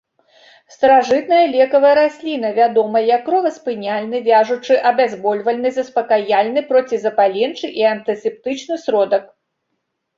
Старажытная лекавая расліна, вядома як кроваспыняльны, вяжучы, абязбольвальны, заспакаяльны, процізапаленчы і антысептычны сродак.